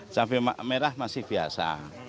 cabai merah masih biasa